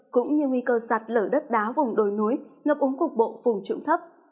cũng như nguy cơ sạt lở đất đá vùng đồi núi ngập úng cục bộ vùng trụng thấp